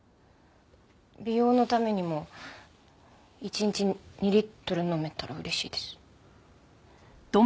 美容のためにも一日２リットル飲めたら嬉しいです。